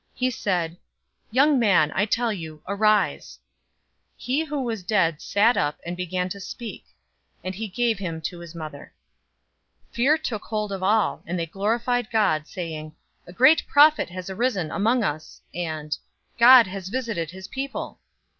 He said, "Young man, I tell you, arise!" 007:015 He who was dead sat up, and began to speak. And he gave him to his mother. 007:016 Fear took hold of all, and they glorified God, saying, "A great prophet has arisen among us!" and, "God has visited his people!"